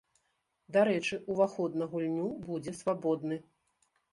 Дарэчы, уваход на гульню будзе свабодны.